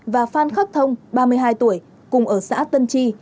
và phan khắc thông ba mươi hai tuổi cùng ở xã tân chi